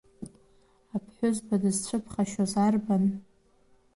Аԥҳәызба дызцәыԥхашьоз арбан?